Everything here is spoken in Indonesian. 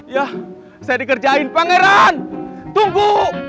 ya saya dikerjain pangeran tunggu